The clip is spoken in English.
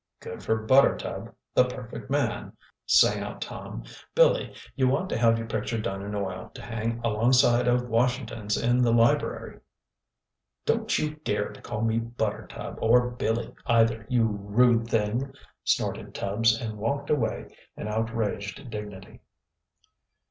"Good for Buttertub, the perfect man!" sang out Tom. "Billy, you ought to have your picture done in oil, to hang alongside of Washington's, in the library." "Don't you dare to call me Buttertub, or Billy either, you rude thing!" snorted Tubbs, and walked away in outraged dignity.